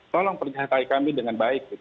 tolong pernyataan kami dengan baik